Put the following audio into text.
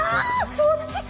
そっちか。